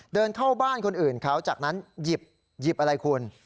เดินเข้าบ้านคนอื่นเขาจากนั้นหยิบอะไรคุณ